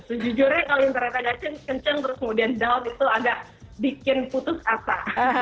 sejujurnya kalau internet ada kenceng terus kemudian down itu agak bikin putus asa